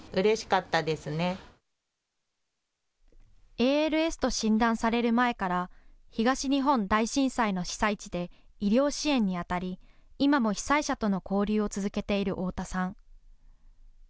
ＡＬＳと診断される前から東日本大震災の被災地で医療支援にあたり今も被災者との交流を続けている太田さん。